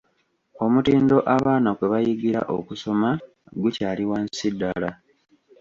Omutindo abaana kwe bayigira okusoma gukyali wansi ddala.